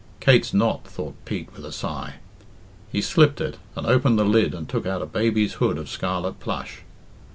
"Kate's knot," thought Pete with a sigh. He slipped it, and opened the lid and took out a baby's hood of scarlet plush.